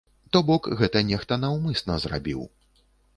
То бок гэта нехта наўмысна зрабіў.